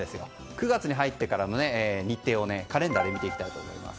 ９月に入ってからの日程をカレンダーで見ていきたいと思います。